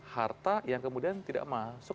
harta yang kemudian tidak masuk